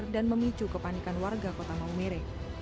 dan memicu kepanikan warga kota maumere